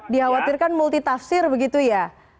dihawatirkan multi tafsir begitu ya